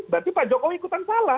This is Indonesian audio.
berarti pak jokowi ikutan salah